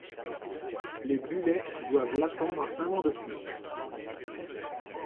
Les Bullets doivent l'attendre un an de plus.